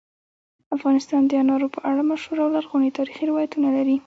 افغانستان د انارو په اړه مشهور او لرغوني تاریخی روایتونه لري.